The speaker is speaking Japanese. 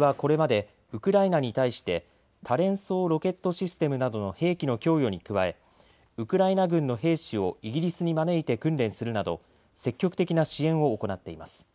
イギリスはこれまでウクライナに対して多連装ロケットシステムなどの兵器の供与に加えウクライナ軍の兵士をイギリスに招いて訓練するなど積極的な支援を行っています。